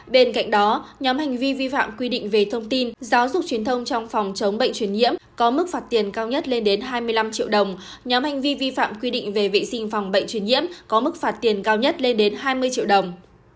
bên cạnh đó nhóm hành vi vi phạm quy định về thông tin giáo dục truyền thông trong phòng chống bệnh truyền nhiễm có mức phạt tiền cao nhất lên đến hai mươi năm triệu đồng